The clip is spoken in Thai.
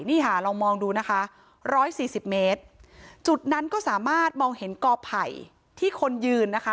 นี่ค่ะลองมองดูนะคะร้อยสี่สิบเมตรจุดนั้นก็สามารถมองเห็นกอไผ่ที่คนยืนนะคะ